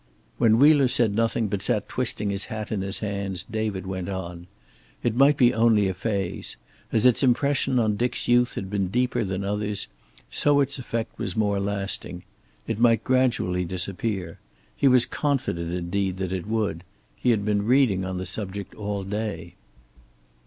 When Wheeler said nothing, but sat twisting his hat in his hands, David went on. It might be only a phase. As its impression on Dick's youth had been deeper than others, so its effect was more lasting. It might gradually disappear. He was confident, indeed, that it would. He had been reading on the subject all day.